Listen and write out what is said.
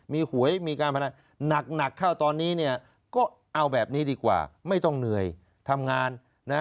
มีหวยมีการพนันหนักเข้าตอนนี้เนี่ยก็เอาแบบนี้ดีกว่าไม่ต้องเหนื่อยทำงานนะ